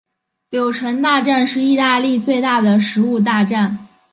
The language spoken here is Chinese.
柳橙大战是义大利最大的食物大战。